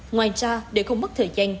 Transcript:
ngoài ra để không mất thời gian